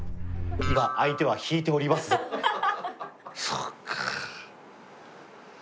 そっか。